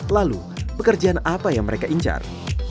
lalu pekerjaan apa yang mereka incar